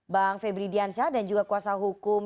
bang febri diansyah dan juga kuasa hukum